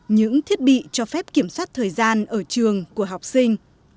những thiết bị cho phép kiểm soát thời gian ở trường của học sinh